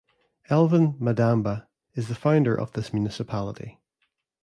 Elvin Madamba is the founder of this municipality.